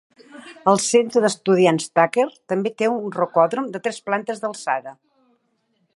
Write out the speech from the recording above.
El Centre d'Estudiants Tucker també té un rocòdrom de tres plantes d'alçada.